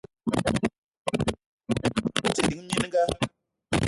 A te ding mininga.